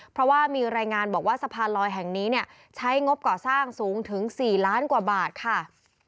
เพราะว่ามีรายงานบอกว่าสะพานลอยแห่งนี้ใช้งบก่อสร้างสูงถึง๔ล้านกว่าบาทค่ะ